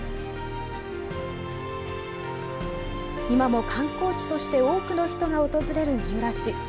今も観光地として多くの人が訪れる三浦市。